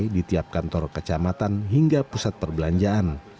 di tiap kantor kecamatan hingga pusat perbelanjaan